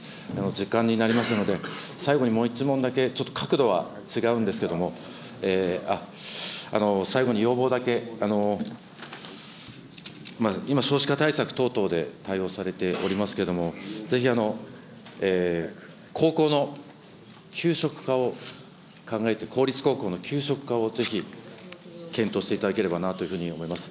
時間になりましたので、最後にもう１問だけ、ちょっと角度は違うんですけれども、最後に要望だけ、今、少子化対策等々で対応されておりますけども、ぜひ高校の給食化を考えて、公立高校の給食化をぜひ検討していただければなというふうに思います。